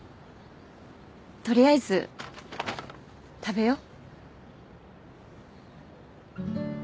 取りあえず食べよう。